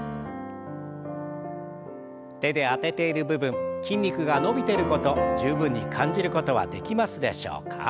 手であてている部分筋肉が伸びてること十分に感じることはできますでしょうか？